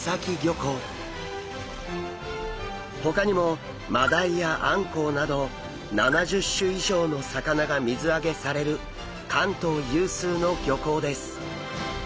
ほかにもマダイやアンコウなど７０種以上の魚が水揚げされる関東有数の漁港です。